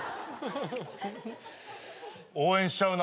応援しちゃうな。